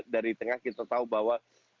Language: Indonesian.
dari tengah kita tahu bahwa